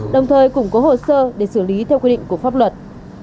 đồng thời cũng có hồ sơ để xử lý theo quy định của pháp luật